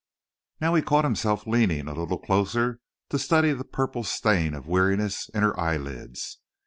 Now he caught himself leaning a little closer to study the purple stain of weariness in her eyelids.